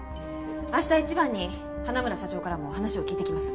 明日一番に花村社長からも話を聞いてきます。